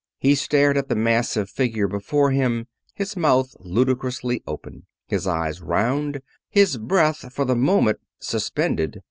He stared at the massive figure before him, his mouth ludicrously open, his eyes round, his breath for the moment suspended.